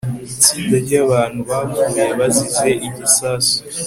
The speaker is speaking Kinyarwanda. itsinda ryabantu bapfuye bazize igisasu